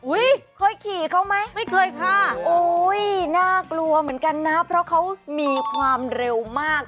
อุ๊ยไม่เคยค่ะอุ๊ยน่ากลัวเหมือนกันนะเพราะเขามีความเร็วมาก